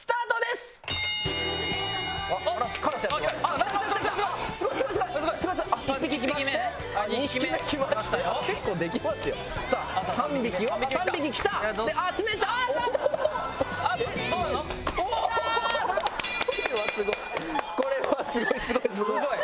すごい。